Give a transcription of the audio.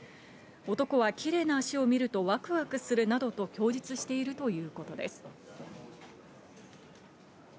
男はキレイな脚を見るとワクワクするなどと供述しているということです。